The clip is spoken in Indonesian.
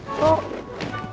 hai selamat pagi